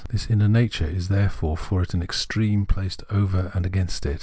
This inner natm:e is therefore for it an extreme placed over against it.